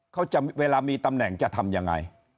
เวลามีตำแหน่งจะทำยังไง